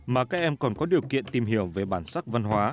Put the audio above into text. mà các em còn có điều kiện tìm hiểu về bản sắc văn hóa